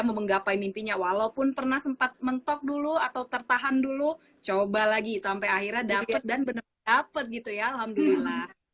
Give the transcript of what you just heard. menggapai mimpinya walaupun pernah sempat mentok dulu atau tertahan dulu coba lagi sampai akhirnya dapet dan bener dapat gitu ya alhamdulillah